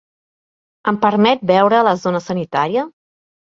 Em permet veure la zona sanitària?